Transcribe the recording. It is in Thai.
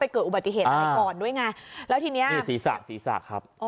เกิดอุบัติเหตุอะไรก่อนด้วยไงแล้วทีนี้ศีรษะศีรษะครับ